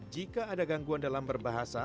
jika ada gangguan dalam berbahasa